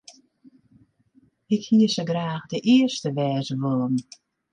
Ik hie sa graach de earste wêze wollen.